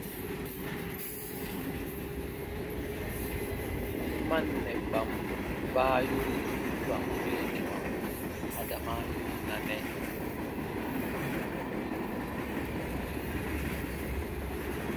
Mannɛban baa yori yu ra n weenɛwa adama yu wunanɛ.